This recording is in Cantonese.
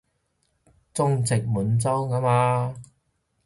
中殖滿洲吖嘛